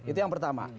itu yang pertama